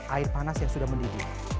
air panas yang sudah mendidih